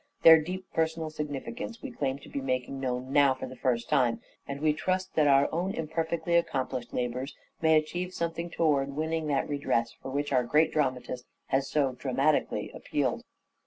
Their deep personal significance we claim to be making known now for the first time ; and we trust that our own imperfectly accomplished labours may achieve something towards winning that redress for which our great dramatist has so dramatically appealed.